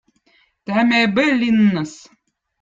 tämä eb öö linnõz